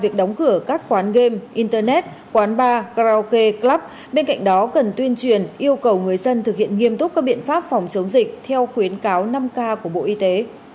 việc đóng cửa các quán game internet quán bar karaoke club bên cạnh đó cần tuyên truyền yêu cầu người dân thực hiện nghiêm túc các biện pháp phòng chống dịch theo khuyến cáo năm k của bộ y tế